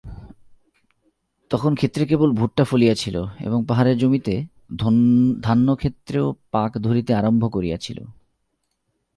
তখন ক্ষেত্রে কেবল ভুট্টা ফলিয়াছিল, এবং পাহাড়ে জমিতে ধান্যক্ষেত্রেও পাক ধরিতে আরম্ভ করিয়াছিল।